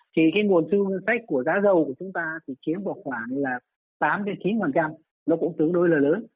thì cái nguồn thu ngân sách của giá dầu của chúng ta thì chiếm vào khoảng là tám chín nó cũng tương đối là lớn